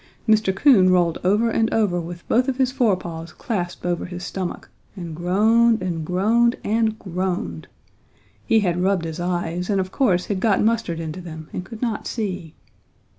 Mr. Coon rolled over and over with both of his forepaws clasped over his stomach and groaned and groaned and groaned. He had rubbed his eyes and of course had got mustard into them and could not see.